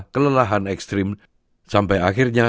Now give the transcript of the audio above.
kelelahan ekstrim sampai akhirnya